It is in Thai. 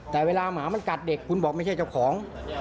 แต่เวลาหมามันกัดเด็กคุณบอกไม่ใช่เจ้าของ